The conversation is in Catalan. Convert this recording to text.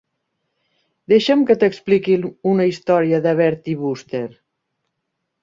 Deixa'm que t'expliqui una història de Bertie Wooster.